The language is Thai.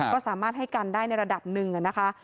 ก็สามารถให้กันได้ในระดับหนึ่งนะคะ